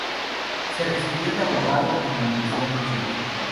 Se recibió de abogado en la Universidad de Chile.